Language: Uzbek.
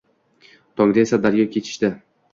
Tongda esa daryo kechishdi…